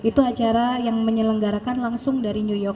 itu acara yang menyelenggarakan langsung dari new york